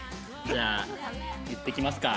じゃあ言っていきますか。